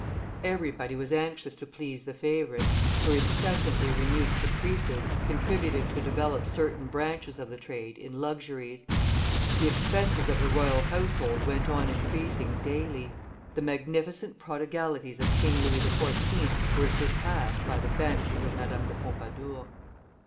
Everybody was anxious to please the favorite; her incessantly renewed caprices contributed to develop certain branches of the trade in luxuries. The expenses of the royal household went on increasing daily; the magnificent prodigalities of King Louis XIV. were surpassed by the fancies of Madame de Pompadour.